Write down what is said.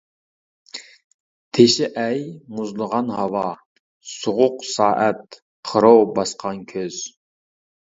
تېشى ئەي، مۇزلىغان ھاۋا، سوغۇق سائەت، قىروۋ باسقان كۆز!